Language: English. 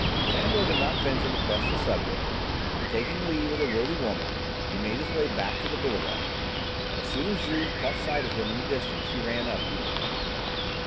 Fandor did not venture to press the subject, and, taking leave of the worthy woman, he made his way back to the Boulevard. As soon as Juve caught sight of him in the distance he ran up eagerly.